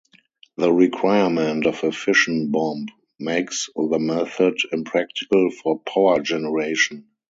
The requirement of a fission bomb makes the method impractical for power generation.